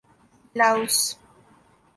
Laos